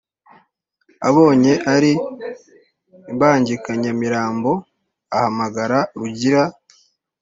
Abonye ari imbangikanyamirambo ahamagara Rugira